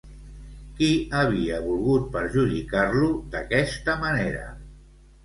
Qui havia volgut perjudicar-lo d'aquesta manera?